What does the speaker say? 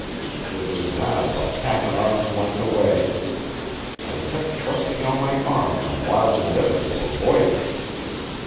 It was now but half an arm's length away. I kept thrusting out my arm in a wild endeavor to avoid it.